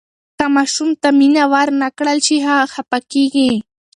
که ماشوم ته مینه ورنکړل شي، هغه خفه کیږي.